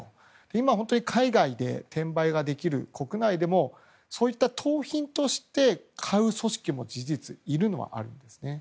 今、本当に海外で転売ができる国内でも盗品として買う組織も事実、いるのはあるんですね。